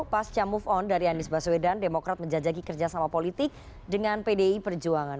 pasca move on dari anies baswedan demokrat menjajaki kerjasama politik dengan pdi perjuangan